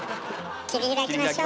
切り開きましょう。